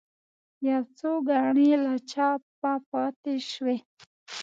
یو څو ګڼې له چاپه پاتې شوې.